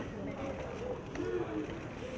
เมื่อเวลาเมื่อเวลา